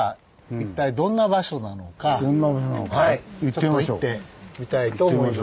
ちょっと行ってみたいと思います。